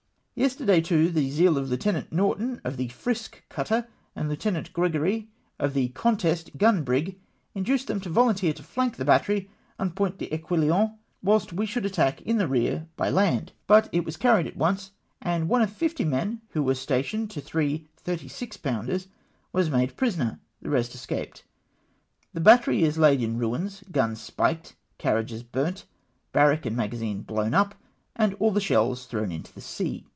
" Yesterday too the zeal of Lieutenant Norton of the Frisk cutter, and Lieutenant Gregory of the Contest gun brig, induced them to volunteer to flank the battery on Point d'Equillon, whilst we should attack in the rear by land ; but it was carried at once, and one of fifty men wlio THE ISLE OF AIX. 197 were stationed to three 36 pouuders was made prisoner — the rest escaped. The battery is laid in ruins — guns spiked — carriages burnt — barrack and magazine blown up, and all the shells thrown into the sea.